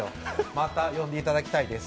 また呼んでいただきたいです。